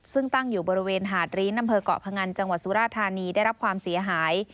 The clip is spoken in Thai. ซึ่งตั้งอยู่บริเวณหาดริ้นอำเภอกเกาะพงันจังหวัดสุราธานีได้รับความเสียหาย